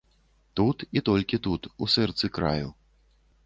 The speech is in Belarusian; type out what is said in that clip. Тут і толькі тут, у сэрцы краю.